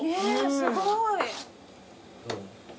すごい。